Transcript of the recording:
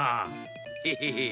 ヘヘヘッ。